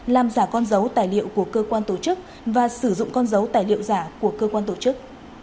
làm giả con dấu tài liệu của cơ quan tổ chức và sử dụng con dấu tài liệu giả của cơ quan tổ chức